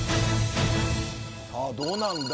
さあどうなんだ？